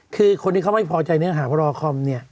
คือคนที่เขาไม่พอใจเนื้อหาพรคอมเนี่ย